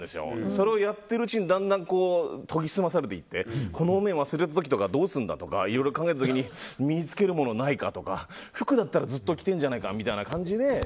それをやってるうちにだんだん研ぎ澄まされていってこのお面を忘れた時とかどうするんだとかいろいろ考えた時身に着けるものないかとか服だったらずっと着てるんじゃないかみたいな感じで。